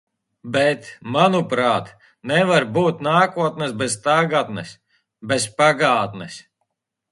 Bet, manuprāt, nevar būt nākotnes bez tagadnes, bez pagātnes.